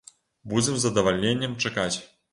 Будзем з задавальненнем чакаць.